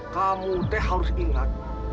kamu deh harus ingat